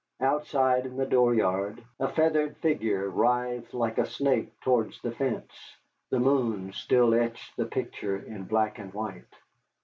Outside, in the dooryard, a feathered figure writhed like a snake towards the fence. The moon still etched the picture in black and white.